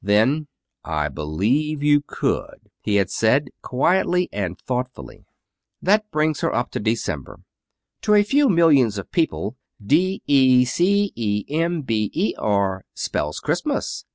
Then, "I believe you could," he had said, quietly and thoughtfully. That brings her up to December. To some few millions of people D e c e m b e r spells Christmas.